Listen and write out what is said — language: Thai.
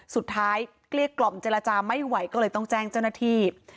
เกลี้ยกล่อมเจรจาไม่ไหวก็เลยต้องแจ้งเจ้าหน้าที่